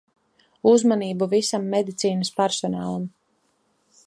Uzmanību visam medicīnas personālam.